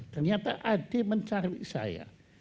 ternyata adik mencari saya